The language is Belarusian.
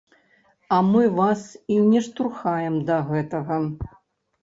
А мы вас і не штурхаем да гэтага.